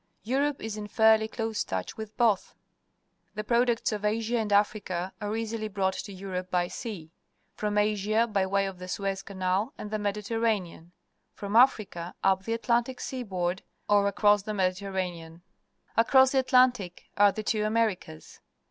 Europe is in fairly close touch with both. The pro ducts of Asia and Africa are easily brought to Europe by sea ; from Asia by way of the Suez Canal and the Mediterranean, from Africa up the Atlantic sea board or across the Medi 160 164 PUBLIC SCHOOL GEOGRAPHY terranean. Across the Atlantic are the two Americas.